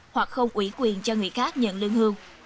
hoặc không ủy quyền cho người khác nhận lương hưu